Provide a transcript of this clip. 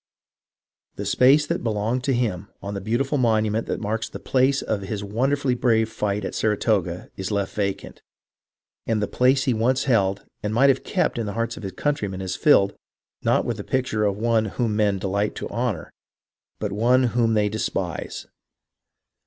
The space that be longed to him on the beautiful monument that marks the place of his wonderfully brave fight at Saratoga is left vacant ; and the place he once held and might have kept in the hearts of his countrymen is filled, not with the picture of one whom men delight to honour, but one whom they despise.